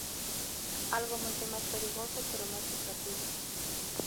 Algo moito máis perigoso pero máis lucrativo.